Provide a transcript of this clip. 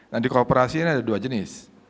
nah di kooperasi ini ada dua jenis